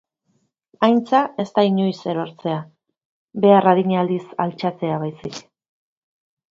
Aintza ez da inoiz erortzea, behar adina aldiz altxatzea baizik.